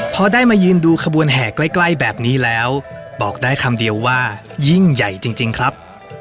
พอได้มายืนดูขบวนแห่ใกล้แบบนี้แล้วบอกได้คำเดียวว่ายิ่งใหญ่จริงครับ